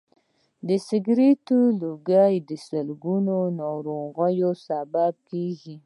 د سګرټ لوګی د سلګونو ناروغیو سبب کېږي.